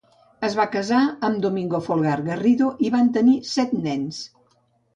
Es va casar amb Domingo Folgar Garrido i van tenir set nens.